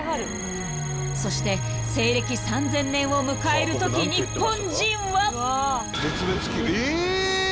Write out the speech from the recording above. ［そして西暦３０００年を迎えるとき日本人は］えーっ！？